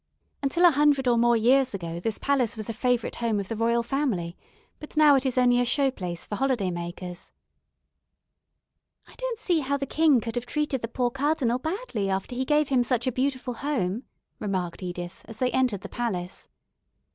"Until a hundred or more years ago this palace was a favourite home of the Royal Family, but now it is only a show place for holiday makers." "I don't see how the king could have treated the poor cardinal badly after he gave him such a beautiful home," remarked Edith, as they entered the palace.